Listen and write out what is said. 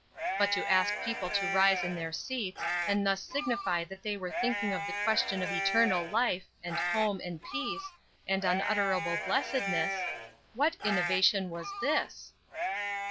But to ask people to rise in their seats, and thus signify that they were thinking of the question of eternal life, and home, and peace, and unutterable blessedness what innovation was this?